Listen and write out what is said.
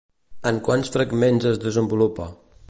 En quants fragments es desenvolupa?